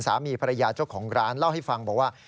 สามีภรรยาเจ้าของร้านเล่าให้ฟังบอกว่า